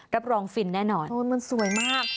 รับรองฟินแน่นอนมันสวยมาก